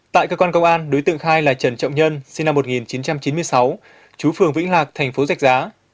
tại cơ quan công an đối tượng khai là trần trọng nhân sinh năm một nghìn chín trăm chín mươi sáu chú phường vĩnh lạc thành phố giạch giá